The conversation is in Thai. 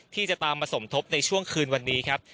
ที่จะตามมาสมทบในช่วงคืนวันนี้ครับ